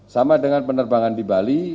sama dengan penerbangan di bali